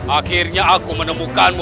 akhirnya aku menemukanmu